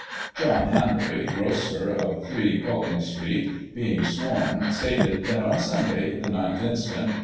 John Hanbury, grocer, of 3, Pulteney Street, being sworn, stated that, on Sunday, the 9th inst.